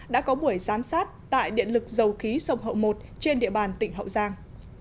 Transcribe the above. đã có buổi giám sát tại điện lực dầu khí sông hậu một trên địa bàn tỉnh hậu giang